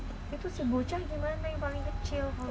itu si bocah gimana yang paling kecil